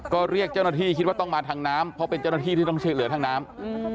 ก็เรียกเจ้าหน้าที่คิดว่าต้องมาทางน้ำเพราะเป็นเจ้าหน้าที่ที่ต้องช่วยเหลือทางน้ำ